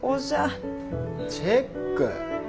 チェック。